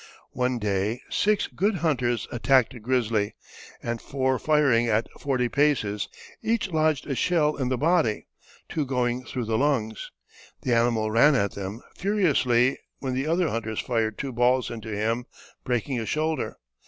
One day six good hunters attacked a grizzly, and four firing at forty paces, each lodged a ball in the body, two going through the lungs. The animal ran at them furiously, when the other hunters fired two balls into him, breaking a shoulder.